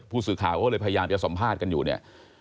ผู้สื่อข่าวก็เลยพยายามจะสัมภาษณ์กันอยู่เนี่ย